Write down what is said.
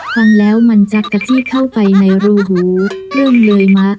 ฟังแล้วมันจะกะทิเข้าไปในรูหูเริ่มเลยมะ